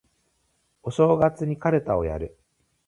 お正月にかるたをやる